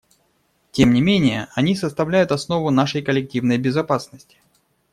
Тем не менее они составляют основу нашей коллективной безопасности.